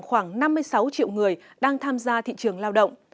khoảng năm mươi sáu triệu người đang tham gia thị trường lao động